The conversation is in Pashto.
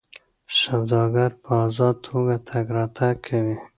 سوداګر په ازاده توګه تګ راتګ کوي.